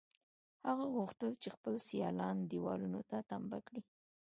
هغه غوښتل چې خپل سیالان دېوالونو ته تمبه کړي